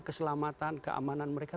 keselamatan keamanan mereka